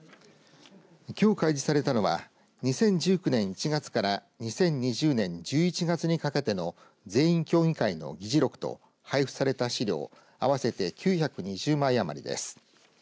きょう開示されたのは２０１９年１月から２０２０年１１月にかけての全員協議会の議事録と配布された資料合わせて９２０枚余りです。